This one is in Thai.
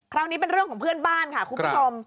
คราวนี้เป็นเรื่องของเพื่อนบ้านค่ะคุณผู้ชม